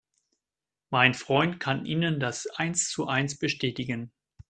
Mein Freund kann Ihnen das eins zu eins bestätigen.